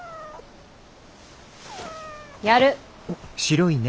やる。